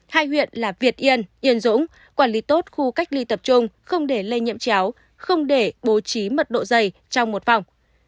hai huyện là việt yên yên dũng quản lý tốt khu cách ly tập trung không để lây nhiễm chéo không để bố trí mật độ dày trong một phòng